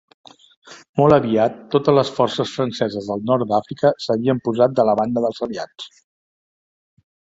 Molt aviat totes les forces franceses del Nord d'Àfrica s'havien posat de la banda dels Aliats.